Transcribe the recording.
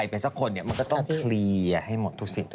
ก็จะว่ามีแผนอยู่ไหน